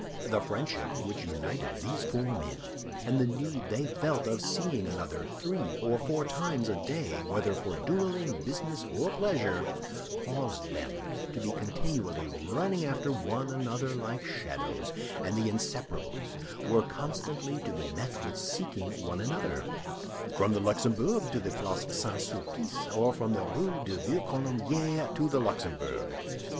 The friendship which united these four men, and the need they felt of seeing another three or four times a day, whether for dueling, business, or pleasure, caused them to be continually running after one another like shadows; and the Inseparables were constantly to be met with seeking one another, from the Luxembourg to the Place St. Sulpice, or from the Rue du Vieux Colombier to the Luxembourg.